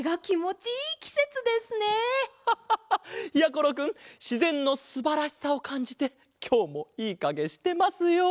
ころくんしぜんのすばらしさをかんじてきょうもいいかげしてますよ。